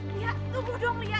lia tunggu dong lia